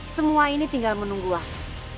semua ini tinggal menunggu waktu